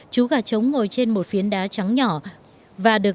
chú gà trống ngồi trên một phiến đá trắng nhỏ